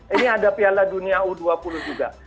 ini ada piala dunia u dua puluh juga